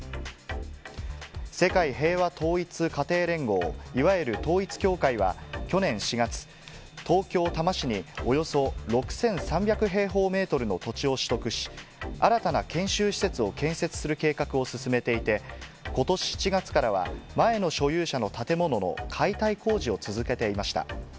世界平和統一家庭連合、いわゆる統一教会は、去年４月、東京・多摩市におよそ６３００平方メートルの土地を取得し、新たな研修施設を建設する計画を進めていて、ことし７月からは、前の所有者の建物の解体工事を続けていました。